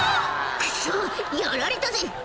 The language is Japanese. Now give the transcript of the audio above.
クソやられたぜ！」